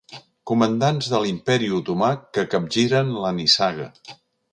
Comandants de l'imperi otomà que capgiren la nissaga.